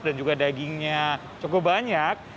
dan juga dagingnya cukup banyak